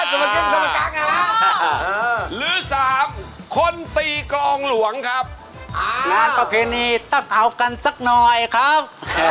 สมกรึงสมกรรมนะหรือสามคนตีกองหลวงครับนักกระเพณีต้องเอากันสักหน่อยครับ